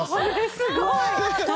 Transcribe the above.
すごい！